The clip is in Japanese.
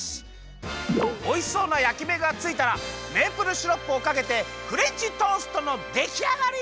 おいしそうなやきめがついたらメープルシロップをかけてフレンチトーストのできあがり！